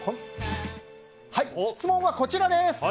質問はこちらです。